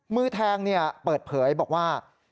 มือแทงเนี่ยเปิดเผยบอกว่า